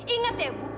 ingat ya bu